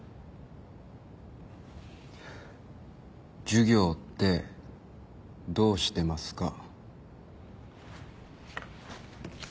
授業ってどうしてますか？